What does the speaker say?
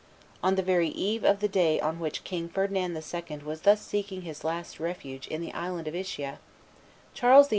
On the very eve of the day on which King Ferdinand II. was thus seeking his last refuge in the island of Ischia, Charles VIII.